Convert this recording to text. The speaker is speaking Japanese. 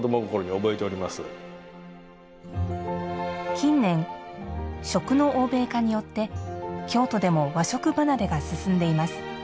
近年、食の欧米化によって京都でも和食離れが進んでいます。